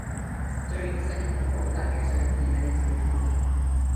During the Second World War Latimer served in the United States Navy.